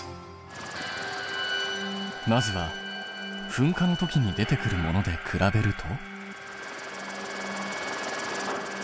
まずは噴火のときに出てくるもので比べると。